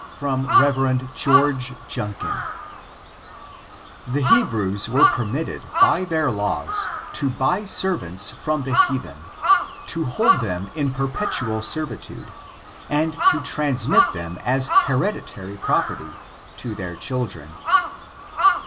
[From Rot. Oeor^ Junkm.] 7%e Hebrews toere pemUUed^ by their law, to buy nrvanU from the heathen ; to hold them in perpetual servitude ; a9td to transmit them as hereditary property to their children.